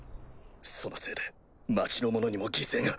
そのせいで町の者にも犠牲が。